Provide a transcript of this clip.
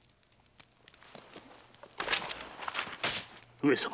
上様。